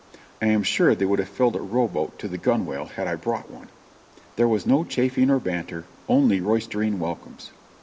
I am sure they Would have filled a rowboat to the gunwale had I brought one There was no chaffing or banter, only roistering welcomes.